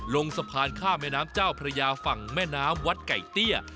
ลงสะพานข้ามแม่น้ำเจ้าพระยาฝั่งแม่น้ำวัดไก่เตี้ย